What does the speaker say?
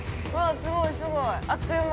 すごい、すごい、あっという間。